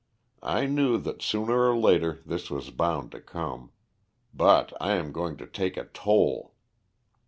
I knew that sooner or later this was bound to come. But I am going to take a toll."